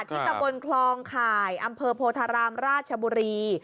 ตะบนคลองข่ายอำเภอโพธารามราชบุรี